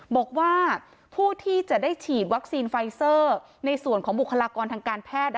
บอกว่าผู้ที่จะได้ฉีดวัคซีนไฟเซอร์ในส่วนของบุคลากรทางการแพทย์